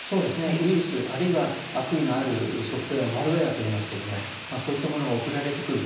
ウイルスあるいは悪意のあるソフトウェアマルウエアといいますけれどもそういったものが送られてくる。